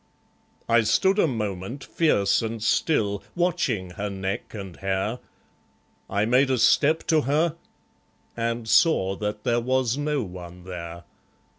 I stood a moment fierce and still, Watching her neck and hair. I made a step to her; and saw That there was no one there.